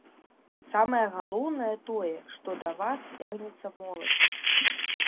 Самае галоўнае тое, што да вас цягнецца моладзь!